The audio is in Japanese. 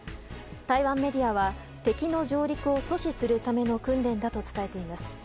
台湾メディアは敵の上陸を阻止するための訓練だと伝えています。